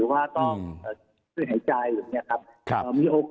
มีโอกาสให้สูงครับ